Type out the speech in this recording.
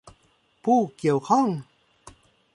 ผู้เกี่ยวข้อง